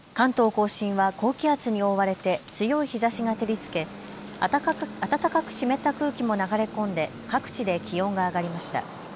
甲信は高気圧に覆われて強い日ざしが照りつけ暖かく湿った空気も流れ込んで各地で気温が上がりました。